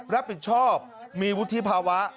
รับผิดชอบมีวุฒิภาวะ